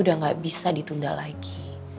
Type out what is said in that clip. udah gak bisa ditunda lagi